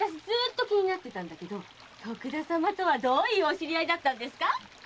ずーっと気になってたんだけど徳田様とはどういうお知り合いだったんですか？